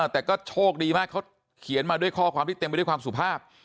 แต่ก็โชคดีมากเขาเขียนมาด้วยข้อความที่เต็มไปด้วยความสุภาพ